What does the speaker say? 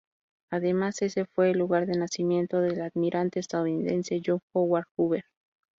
Además, ese fue el lugar de nacimiento del almirante estadounidense John Howard Hoover.